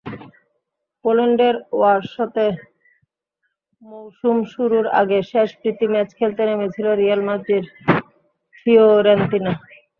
পোল্যান্ডের ওয়ারশতে মৌসুম শুরুর আগে শেষ প্রীতি ম্যাচ খেলতে নেমেছিল রিয়াল মাদ্রিদ-ফিওরেন্তিনা।